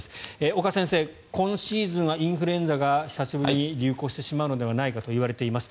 岡先生、今シーズンはインフルエンザが久しぶりに流行してしまうのではないかといわれています。